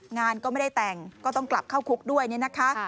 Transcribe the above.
งานก็ไม่ได้แต่งก็ต้องกลับเข้าคุกด้วยเนี่ยนะคะ